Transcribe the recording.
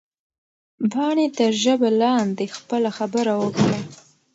پاڼې تر ژبه لاندې خپله خبره وکړه.